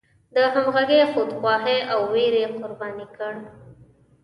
د همغې خودخواهۍ او ویرې قرباني کړ.